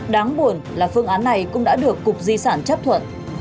đáng buồn là phương án này cũng đã được cục di sản chấp thuận